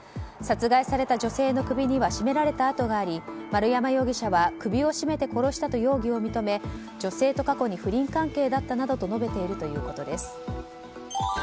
殺害された女性の首には絞められた跡があり丸山容疑者は首を絞めて殺したと容疑を認め、女性と過去に不倫関係だったなどと述べているということです。